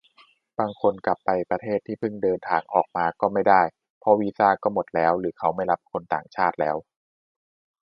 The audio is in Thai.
บางคนกลับไปประเทศที่เพิ่งเดินทางออกมาก็ไม่ได้ เพราะวีซ่าก็หมดแล้วหรือเขาไม่รับคนต่างชาติแล้ว